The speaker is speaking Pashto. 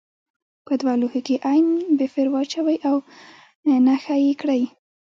په دوه لوښو کې عین بفر واچوئ او نښه یې کړئ.